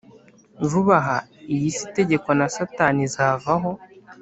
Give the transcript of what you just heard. Vuba aha iyi si itegekwa na Satani izavaho